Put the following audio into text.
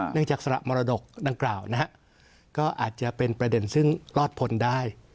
เนื่องจากสละมรดกดังกล่าวนะครับก็อาจจะเป็นประเด็นซึ่งรอดผลได้